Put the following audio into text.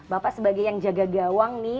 bapak sebagai yang jaga gawang nih